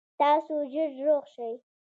تاسو ژر روغ شئ